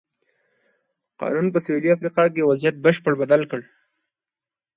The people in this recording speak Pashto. قانون په سوېلي افریقا کې وضعیت بشپړه بدل کړ.